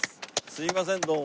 すいませんどうも。